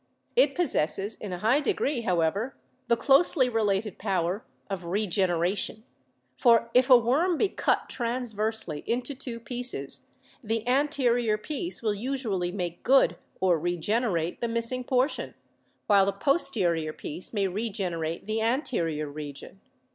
It possesses in a high degree, however, the closely related power of regen eration, for if a worm be cut transversely into two pieces the anterior piece will usually make good or regenerate the missing portion, while the posterior piece may regenerate the anterior region.